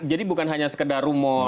jadi bukan hanya sekedar rumor